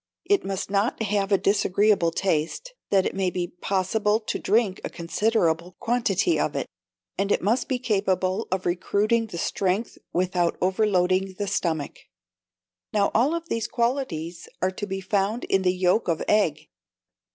It must not have a disagreeable taste, that it may be possible to drink a considerable quantity of it: and it must be capable of recruiting the strength without overloading the stomach. Now all these qualities are to be found in the yolk of egg.